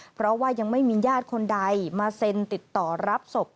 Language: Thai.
เพราะว่ายังไม่มีญาติคนใดมาเซ็นติดต่อรับศพ